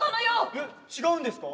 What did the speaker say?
えっ違うんですか？